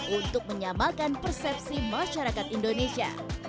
untuk menyamakan persepsi masyarakat indonesia